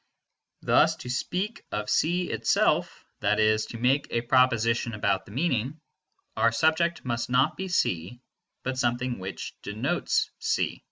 Thus to speak of C itself, i.e., to make a proposition about the meaning, our subject must not be C, but something which denotes C.